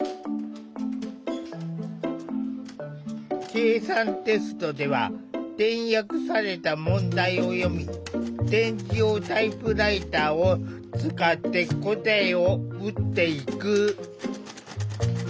計算テストでは点訳された問題を読み点字用タイプライターを使って答えを打っていく。